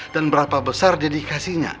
dan berapa besar dedikasinya